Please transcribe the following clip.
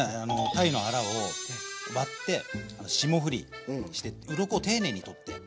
鯛のアラを割って霜降りしてってうろこを丁寧に取って。